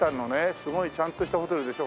すごいちゃんとしたホテルでしょ？